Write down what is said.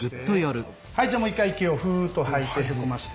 はいじゃあもう一回息をふっと吐いてへこまして。